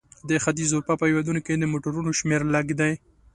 د ختیځې اروپا په هېوادونو کې د موټرونو شمیر لږ دی.